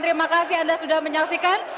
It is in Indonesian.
terima kasih anda sudah menyaksikan